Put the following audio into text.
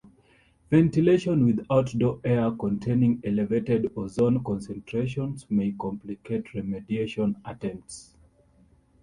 Ventilation with outdoor air containing elevated ozone concentrations may complicate remediation attempts.